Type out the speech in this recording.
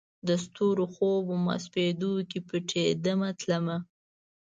د ستورو خوب ومه، سپیدو کې پټېدمه تلمه